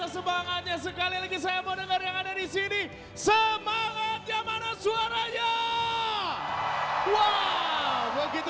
semangatnya sekali lagi saya mendengar yang ada di sini semangatnya mana suaranya wow begitu